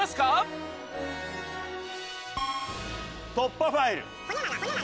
『突破ファイル』。